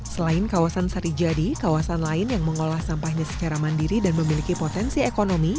selain kawasan sarijadi kawasan lain yang mengolah sampahnya secara mandiri dan memiliki potensi ekonomi